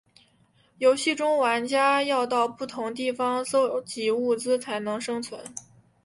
游戏中玩家要到不同地方搜集物资才能生存。